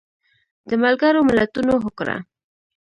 د ملګرو ملتونو هوکړه